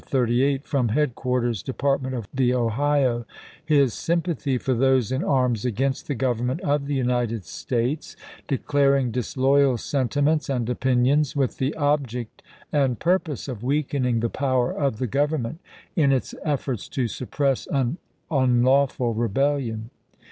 38, from Headquarters Department of the Ohio, his sympathy for those in arms against the Government of the United States, declaring disloyal sentiments and opinions, with the object and purpose of weakening the power of the Gov ernment in its efforts to suppress an unlawful ibid. p. 484. rebellion."